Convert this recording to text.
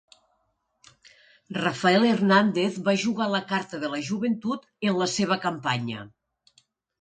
Rafael Hernández va jugar la carta de la joventut en la seva campanya.